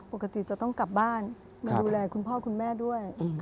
ปกติจะต้องกลับบ้านมาดูแลคุณพ่อคุณแม่ด้วย